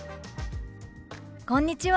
「こんにちは。